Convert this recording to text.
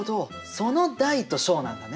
その大と小なんだね。